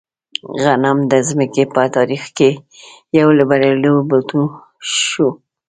غنم د ځمکې په تاریخ کې یو له بریالیو بوټو شو.